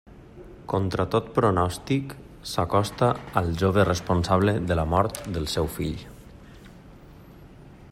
Contra tot pronòstic, s'acosta al jove responsable de la mort del seu fill.